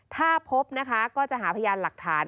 ถ้าพบนะคะก็จะหาพยานหลักฐาน